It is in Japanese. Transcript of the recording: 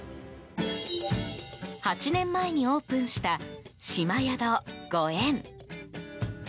８年前にオープンした島宿御縁。